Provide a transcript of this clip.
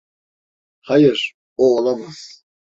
Hayır, o olamaz.